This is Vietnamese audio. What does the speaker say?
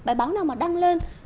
bài báo nào mà đăng lên